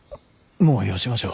もうよしましょう。